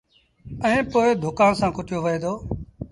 ائيٚݩ پو ڌوڪآݩ سآݩ ڪُٽيو وهي دو۔